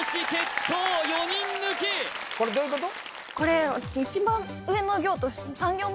これどういうこと？